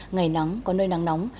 ngày nắng có nơi nắng nóng